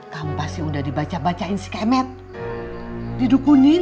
kamu pasti udah dibaca bacain si kemet didukungin